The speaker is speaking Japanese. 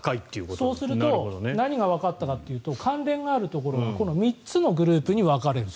そうすると何がわかったかというと関連があるところはこの３つのグループに分かれると。